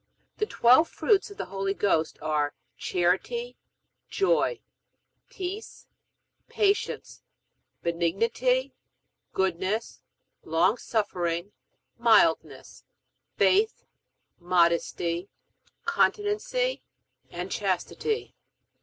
The twelve fruits of the Holy Ghost are Charity, Joy, Peace, Patience, Benignity, Goodness, Long suffering, Mildness, Faith, Modesty, Continency, and Chastity.